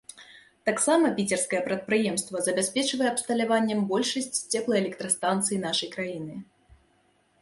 Таксама піцерскае прадпрыемства забяспечвае абсталяваннем большасць цеплаэлектрастанцый нашай краіны.